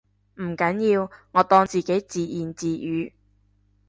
唔緊要，我當自己自言自語